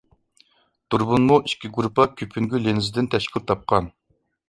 دۇربۇنمۇ ئىككى گۇرۇپپا كۆپۈنگۈ لېنزىدىن تەشكىل تاپقان.